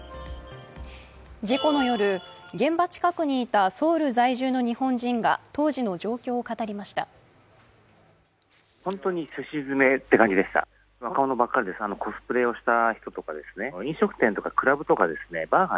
事故の夜、現場近くにいたソウル在住の日本人が当時の状況を語りました。